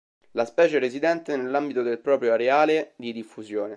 La specie è residente nell'ambito del proprio areale di diffusione.